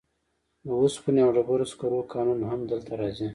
د اوسپنې او ډبرو سکرو کانونه هم دلته راځي.